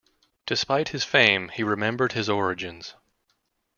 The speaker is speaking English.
Despite his fame, he remembered his origins.